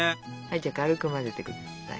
じゃあ軽く混ぜてください。